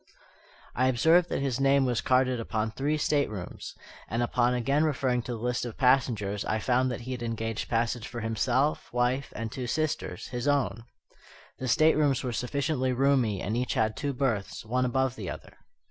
I observed that his name was carded upon three staterooms: and upon again referring to the list of passengers I found that he had engaged passage for himself, wife, and two sisters his own. The staterooms were sufficiently roomy, and each had two berths, one above the other.